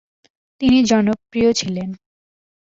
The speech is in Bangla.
তিনি জনপ্রিয় ছিলেন।